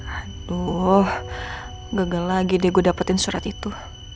aduh gagal lagi deh gue dapetin surat itu